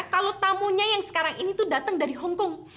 kalau tamunya yang sekarang ini tuh datang dari hongkong